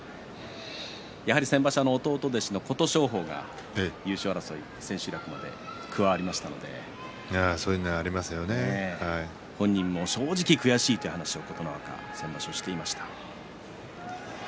先場所、弟弟子の琴勝峰が優勝争い千秋楽まで加わりましたので本人も正直悔しいという話を琴ノ若、先場所していました。